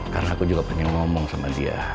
karena aku juga pengen ngomong sama dia